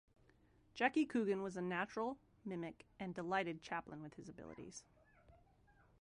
Jackie Coogan was a natural mimic and delighted Chaplin with his abilities.